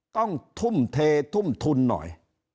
ต้องทุ่มเททุ่มทุนหน่อย